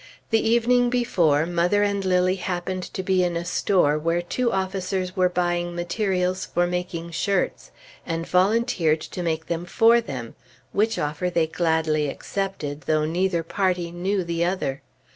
The evening before, mother and Lilly happened to be in a store where two officers were buying materials for making shirts, and volunteered to make them for them, which offer they gladly accepted, though neither party knew the other.